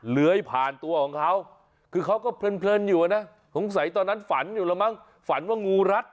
เลื้อยผ่านตัวของเขาคือเขาก็เพลินอยู่นะสงสัยตอนนั้นฝันอยู่แล้วมั้งฝันว่างูรัด